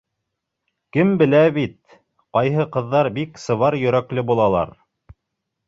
Кем белә бит, ҡайһы ҡыҙҙар бик сыбар йөрәкле булалар.